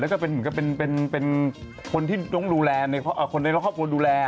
แล้วก็เป็นคนที่ต้องดูแลคนในหลักของดูแล